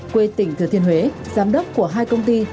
quê tỉnh thừa thiên huế giám đốc của hai công ty